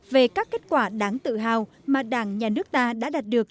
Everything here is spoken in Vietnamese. về các kết quả đáng tự hào mà đảng nhà nước ta đã đạt được